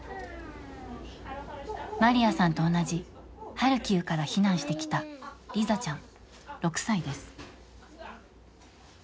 マリアさんと同じハルキウから避難してきたリザちゃん６歳です。